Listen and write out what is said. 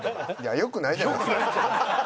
よくないじゃないですか。